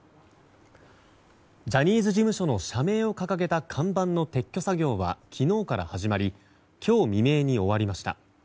ジャニーズ事務所の社名を掲げた看板の撤去作業は昨日から始まり今日未明に終わりました。